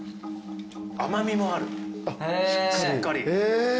甘味もあるしっかり。